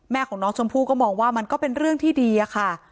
ของน้องชมพู่ก็มองว่ามันก็เป็นเรื่องที่ดีอะค่ะ